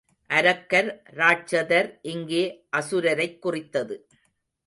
அரக்கர் ராட்சதர் இங்கே அசுரரைக் குறித்தது.